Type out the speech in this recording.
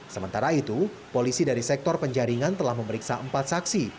sementara itu polisi dari sektor penjaringan telah memeriksa empat saksi